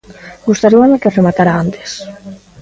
Gustaríame que rematara antes.